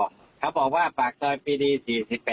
กลับมารับทราบ